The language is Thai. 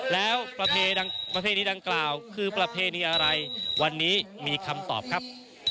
แล้วประเพณีดังกล่าวคือประเพณีอะไรวันนี้มีคำตอบครับ